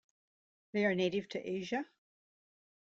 They are native to Asia.